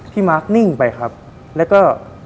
มาร์คนิ่งไปครับแล้วก็